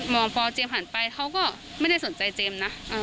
พอเจมส์หันไปเขาก็ไม่ได้สนใจเจมส์นะ